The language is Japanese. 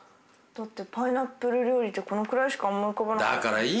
だってパイナップル料理ってこのくらいしか思い浮かばなくて。